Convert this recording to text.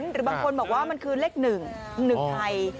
หรือบางคนบอกว่ามันคือเลข๑๑ไทย